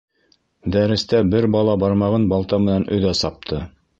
Дәрестә бер бала бармағын балта менән өҙә сапты.